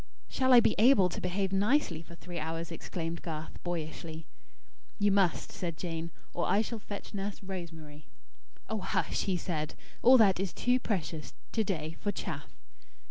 "Shall I be able to behave nicely for three hours?" exclaimed Garth, boyishly. "You must," said Jane, "or I shall fetch Nurse Rosemary." "Oh hush!" he said. "All that is too precious, to day, for chaff.